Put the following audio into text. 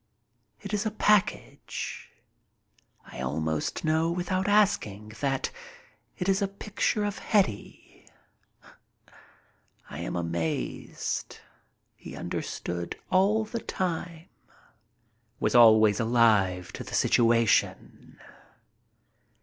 It is a package. I almost know without asking that it is a picture of Hetty. I am amazed. He understood all the time. Was always alive to the situation.